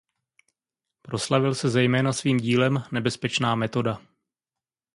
Proslavil se zejména svým dílem "Nebezpečná metoda".